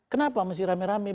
kenapa masih rame rame